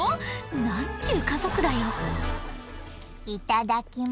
何ちゅう家族だよ「いただきま」